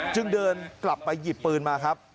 จึงเดินกลับไปหยิบปืนมาครับ